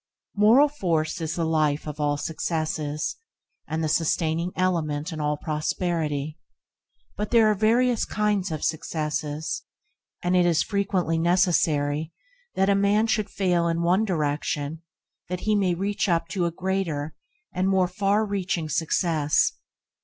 Moral force is the life of all success, and the sustaining element in all prosperity; but there are various kinds of success, and it is frequently necessary that a man should fail in one direction that he may reach up to a greater and more far reaching success.